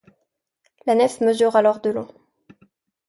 La nef mesure alors de long.